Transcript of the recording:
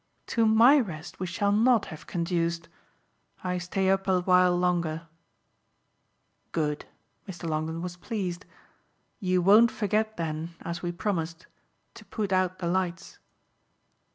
"To MY rest we shall not have conduced. I stay up a while longer." "Good." Mr. Longdon was pleased. "You won't forget then, as we promised, to put out the lights?"